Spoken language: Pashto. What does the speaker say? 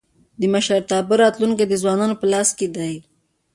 د مشرتابه راتلونکی د ځوانانو په لاس کي دی.